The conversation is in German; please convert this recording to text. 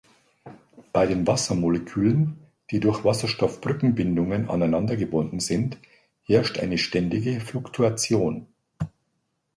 Bei den Wassermolekülen, die durch Wasserstoffbrückenbindungen aneinander gebunden sind, herrscht eine ständige Fluktuation.